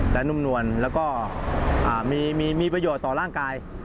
และนุ่มนวลแล้วก็มีประโยชน์ต่อร่างกาย